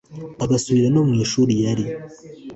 agasubira no mu ishuri yari